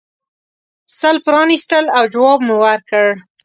سل پرانیستل او جواب مو ورکړ.